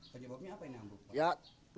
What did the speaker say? penyebabnya apa ini ambruk